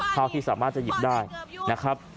เท่าที่สามารถจะหยิบได้นะครับ